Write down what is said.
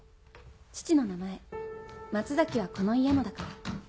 父の名前松崎はこの家のだから。